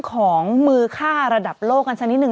ของมือฆ่าระดับโลกกันสักนิดหนึ่ง